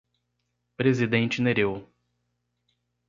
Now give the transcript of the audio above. Presidente Nereu